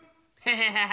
ハハハハ。